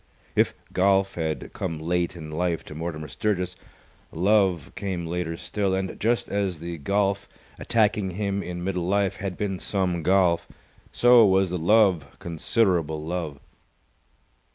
If golf had come late in life to Mortimer Sturgis, love came later still, and just as the golf, attacking him in middle life, had been some golf, so was the love considerable love.